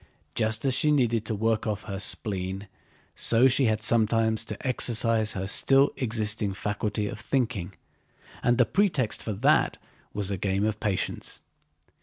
Just as she needed to work off her spleen so she had sometimes to exercise her still existing faculty of thinking—and the pretext for that was a game of patience.